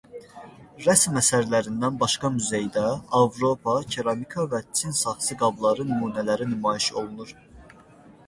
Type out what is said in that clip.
Rəsm əsərlərindən başqa muzeydə Avropa keramika və Çin saxsı qabları nümunələri nümayiş olunur.